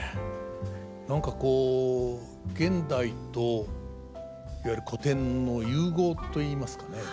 何かこう現代といわゆる古典の融合といいますかね。